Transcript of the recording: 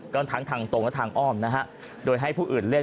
ก็ทั้งทางตรงและทางอ้อมนะฮะโดยให้ผู้อื่นเล่น